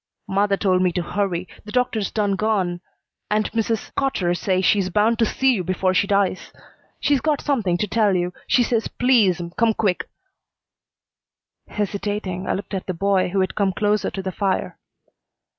"Mother told me to hurry. The doctor's done gone and Mrs. Cotter says she's bound to see you before she dies. She's got something to tell you. She says please, 'm, come quick." Hesitating, I looked at the boy, who had come closer to the fire.